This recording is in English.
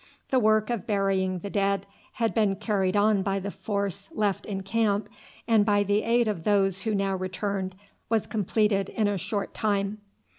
The work of burying the dead had been carried on by the force left in camp, and by the aid of those who now returned was completed in a short time.